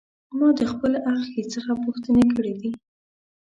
ما د خپل اخښي څخه پوښتنې کړې دي.